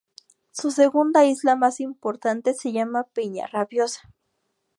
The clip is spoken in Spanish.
Su segunda isla más importante se llama Peña Rabiosa.